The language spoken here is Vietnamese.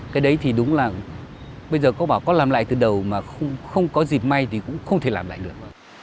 cái đấy thì đúng là bây giờ có bảo có làm lại từ đầu mà không có dịp may thì cũng không thể làm lại được